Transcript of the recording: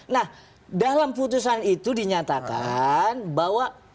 nah dalam putusan itu dinyatakan bahwa